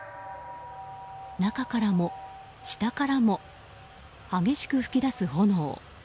中からも、下からも激しく噴き出す炎。